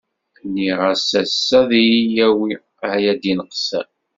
Nniɣ-as ass-a ad iyi-yawi, ah ya ddin qessam!